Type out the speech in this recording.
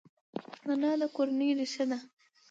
انا د کورنۍ ریښه ده